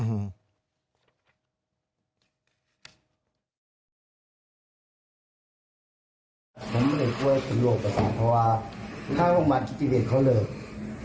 คนไข่ปกติให้จัดอยู่ในกรุงบำบัดอย่างอาศิษย์